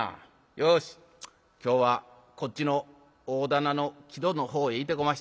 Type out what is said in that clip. よし今日はこっちの大店の木戸の方へいてこましたろかな。